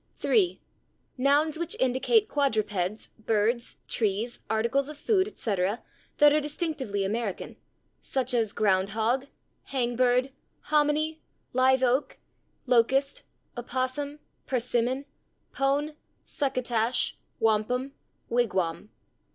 3. Nouns which indicate quadrupeds, birds, trees, articles of food, etc., that are distinctively American, such as /ground hog/, /hang bird/, /hominy/, /live oak/, /locust/, /opossum/, /persimmon/, /pone/, /succotash/, /wampum/, /wigwam